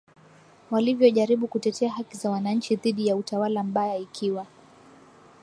walivyojaribu kutetea haki za wananchi dhidi ya utawala mbaya Ikiwa